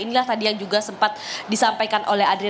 inilah tadi yang juga sempat disampaikan